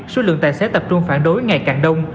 số lượng tài xế tập trung phản đối ngày càng đông